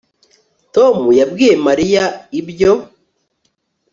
tom yabwiye mariya ibyo